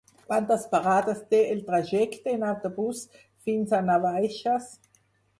Quantes parades té el trajecte en autobús fins a Navaixes?